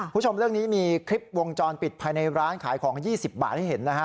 คุณผู้ชมเรื่องนี้มีคลิปวงจรปิดภายในร้านขายของ๒๐บาทให้เห็นนะฮะ